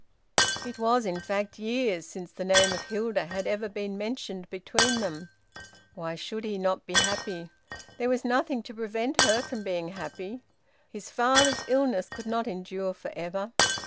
It was, in fact, years since the name of Hilda had ever been mentioned between them. Why should he not be happy? There was nothing to prevent her from being happy. His father's illness could not endure for ever.